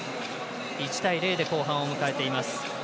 １対０で後半を迎えています。